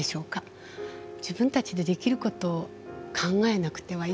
自分たちでできることを考えなくてはいけないなと思いました。